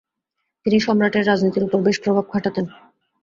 তিনি সম্রাটের রাজনীতির উপর বেশ প্রভাব খাটাতেন।